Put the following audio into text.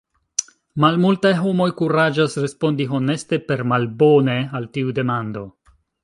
Malmultaj homoj kuraĝas respondi honeste per Malbone al tiu demando.